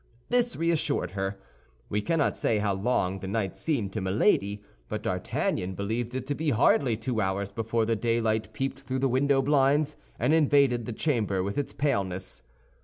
This reassured her. We cannot say how long the night seemed to Milady, but D'Artagnan believed it to be hardly two hours before the daylight peeped through the window blinds, and invaded the chamber with its paleness.